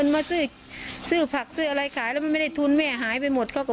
ไม่จริงไม่ได้ทำ